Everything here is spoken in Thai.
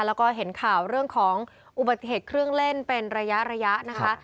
แล้วก็เห็นข่าวเรื่องของอุบัติเหตุเครื่องเล่นเป็นระยะนะคะ